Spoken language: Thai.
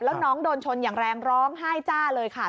แล้วน้องโดนชนอย่างแรงร้องไห้จ้าเลยค่ะ